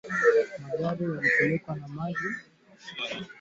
Lakini mwaka elfu mbili na ishirini Raisi wa zamani Marekani